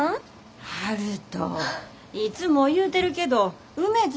悠人いつも言うてるけどうめづ